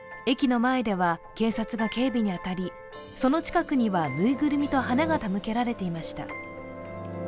駅の前では警察が警備に当たり、その近くにはぬいぐるみと花が手向けられていました。